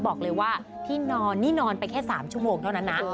บอกเลยว่าที่นอนนี่นอนไปแค่๓ชั่วโมงเท่านั้นนะ